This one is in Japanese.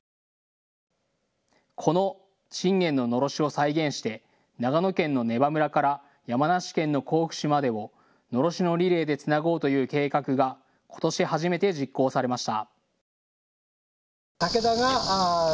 この信玄ののろしを再現して長野県の根羽村から山梨県の甲府市までを、のろしのリレーでつなごうという計画がことし初めて実行されました。